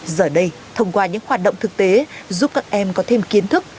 giờ đây thông qua những hoạt động thực tế giúp các em có thêm kiến thức